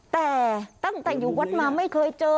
แต่ตั้งแต่อยู่วัดมาไม่เคยเจอ